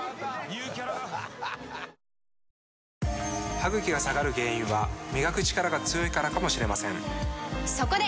歯ぐきが下がる原因は磨くチカラが強いからかもしれませんそこで！